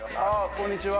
こんにちは。